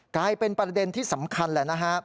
กลายเป็นประเด็นที่สำคัญแล้ว